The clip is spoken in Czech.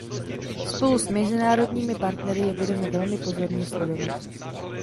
Spolu s mezinárodními partnery je budeme velmi pozorně sledovat.